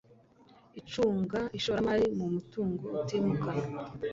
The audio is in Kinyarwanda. icunga ishoramari mu mutungo utimukanwa